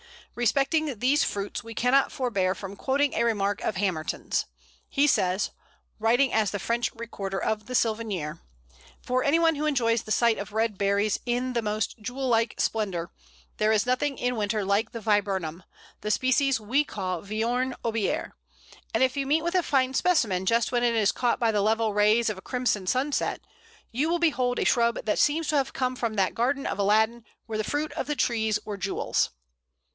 Respecting these fruits, we cannot forbear from quoting a remark of Hamerton's. He says, writing as the French recorder of the Sylvan Year: "For any one who enjoys the sight of red berries in the most jewel like splendour, there is nothing in winter like the Viburnum, the species we call Viorne obier, and if you meet with a fine specimen just when it is caught by the level rays of a crimson sunset, you will behold a shrub that seems to have come from that garden of Aladdin where the fruit of the trees were jewels."